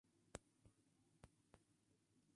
Cada escena presenta la letra correspondiente.